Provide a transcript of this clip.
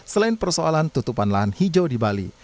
selain persoalan tutupan lahan hijau di bali